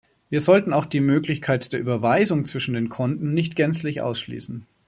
Wir sollten auch die Möglichkeit der Überweisung zwischen den Konten nicht gänzlich ausschließen.